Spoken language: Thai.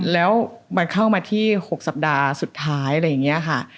แล้วมันเข้ามาที่๖สัปดาห์สุดท้ายอะไรอย่างนี้ค่ะ